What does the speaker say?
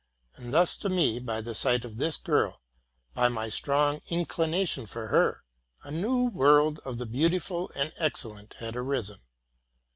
And thus to me, by the sight of this girl, — by my strong inclination for her, —a new world of the beautiful and the excellent had arisen.